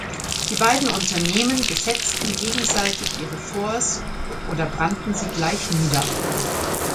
Die beiden Unternehmen besetzten gegenseitig ihre Forts oder brannten sie gleich nieder.